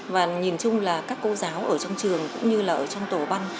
và nhìn chung là các cô giáo ở trong trường cũng như là ở trong tổ văn